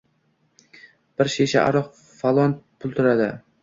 Bir shisha aroq falon pul turadi